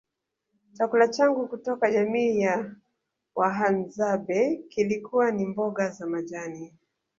chakula changu kutoka jamii ya Wahadzabe kilikuwa ni mboga za majani